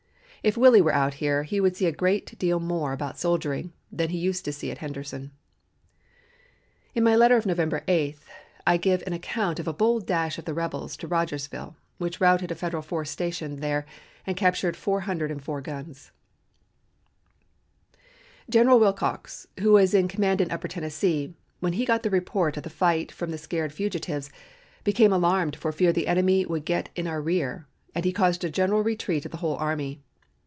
If Willie were out here he would see a great deal more about soldiering than he used to see at Henderson." In my letter of November 8 I give an account of a bold dash of the rebels to Rogersville, which routed a Federal force stationed there, and captured four hundred and four guns: "General Wilcox, who was in command in upper Tennessee, when he got the report of the fight from the scared fugitives, became alarmed for fear the enemy would get in our rear, and he caused a general retreat of the whole army.